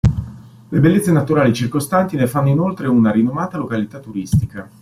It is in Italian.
Le bellezze naturali circostanti ne fanno inoltre una rinomata località turistica.